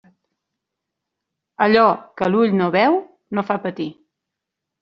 Allò que l'ull no veu no fa patir.